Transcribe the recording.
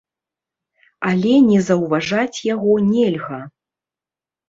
Але не заўважаць яго нельга.